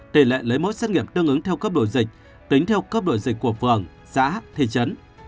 tỷ lệ lấy mỗi xét nghiệm tương ứng theo cấp độ dịch tính theo cấp độ dịch của phường xã thị trấn